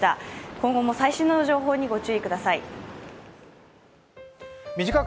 今後も最新の情報にご注意ください。